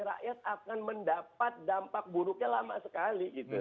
rakyat akan mendapat dampak buruknya lama sekali